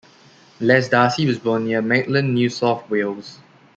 Les Darcy was born near Maitland, New South Wales.